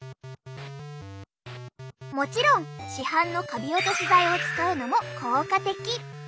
もちろん市販のカビ落とし剤を使うのも効果的。